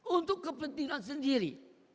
untuk kepentingan sendiri